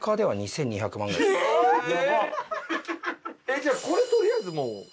えっじゃあこれとりあえずもう。